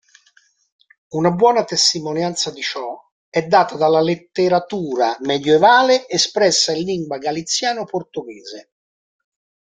Una buona testimonianza di ciò è data dalla letteratura medievale espressa in lingua galiziano-portoghese.